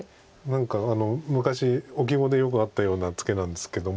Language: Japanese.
昔置き碁でよくあったようなツケなんですけども。